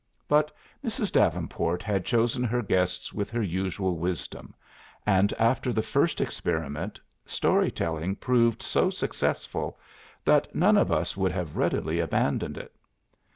But Mrs. Davenport had chosen her guests with her usual wisdom, and after the first experiment, story telling proved so successful that none of us would have readily abandoned it.